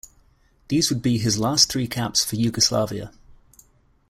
These would be his last three caps for Yugoslavia.